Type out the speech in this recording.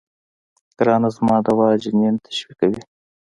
ګرانه زما دوا جنين تشويقوي.